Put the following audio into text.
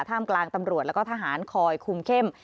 ท่ามกลางตำรวจแล้วก็ทหารคอยคุมเข้ม